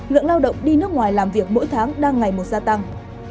lượng lao động đi nước ngoài làm việc mỗi tháng đang ngày một gia tăng